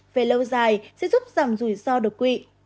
về lâu dài sẽ giúp giảm rủi ro đột quỵ